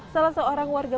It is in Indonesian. salah seorang warga